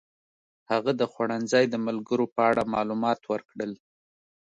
هغه د خوړنځای د ملګرو په اړه معلومات ورکړل.